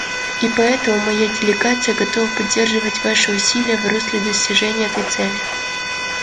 И поэтому моя делегация готова поддерживать ваши усилия в русле достижения этой цели.